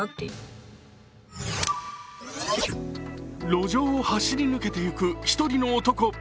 路上を走り抜けていく１人の男。